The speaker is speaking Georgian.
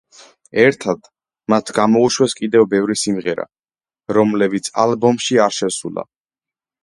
ერთად, მათ გამოუშვეს კიდევ ბევრი სიმღერა, რომლებიც ალბომში არ შესულა.